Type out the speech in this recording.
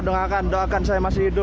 rekan rekan doakan saya selamat ya allah